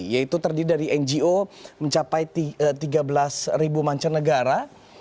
yaitu terdiri dari ngo mencapai tiga belas mancanegara